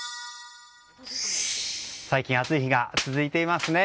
最近、暑い日が続いていますね。